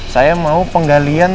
saya mau penggalian